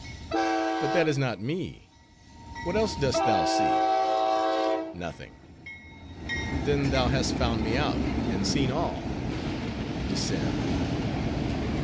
"But that is not me. What else dost thou see?" "Nothing." "Then thou hast found me out, and seen all! Descend."